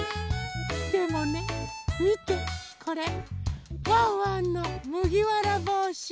でもねみてこれワンワンのむぎわらぼうし。